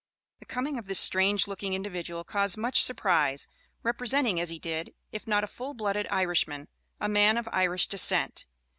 The coming of this strange looking individual caused much surprise, representing, as he did, if not a full blooded Irishman, a man of Irish descent.